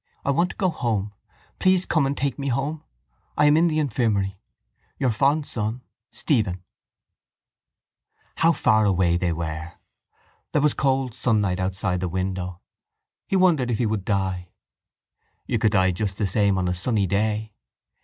I want to go home. Please come and take me home. I am in the infirmary. Your fond son, Stephen How far away they were! There was cold sunlight outside the window. He wondered if he would die. You could die just the same on a sunny day.